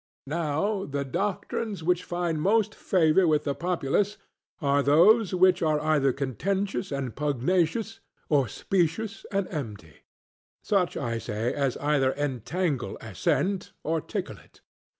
Now the doctrines which find most favour with the populace are those which are either contentious and pugnacious, or specious and empty; such, I say, as either entangle assent or tickle it.